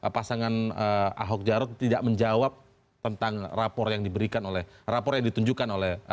pasangan ahok jarot tidak menjawab tentang rapor yang diberikan oleh rapor yang ditunjukkan oleh